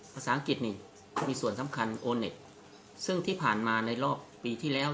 ภาษาอังกฤษนี่ก็มีส่วนสำคัญโอเน็ตซึ่งที่ผ่านมาในรอบปีที่แล้ว